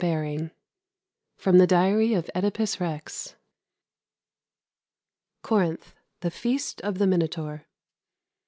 XII FROM THE DIARY OF ŒDIPUS REX _Corinth. The Feast of the Minotaur.